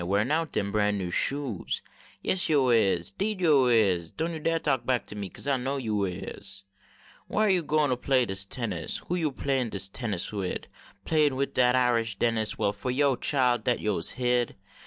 Warin out deni bran new shoes, Yase yo is, deed yo is, Doan yo dar talk back to me, Kase I know yo is. Whar yo gwine to play dis tennis ? Who yo playin tennis wid ? Playin wid dat Irish Dennis, Well fo yo , chile, dat yo s hid.